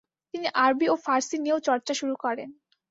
তিনি আরবি ও ফার্সি নিয়েও চর্চা শুরু করেন।